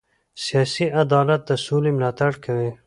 سیاسي عدالت د سولې ملاتړ کوي